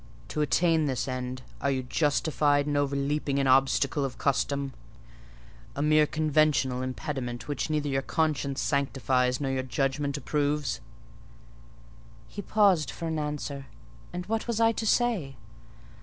To attain this end, are you justified in overleaping an obstacle of custom—a mere conventional impediment which neither your conscience sanctifies nor your judgment approves?" He paused for an answer: and what was I to say?